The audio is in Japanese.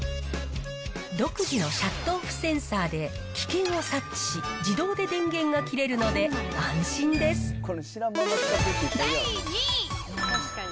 独自のシャットオフセンサーで、危険を察知し、自動で電源が切れ第２位。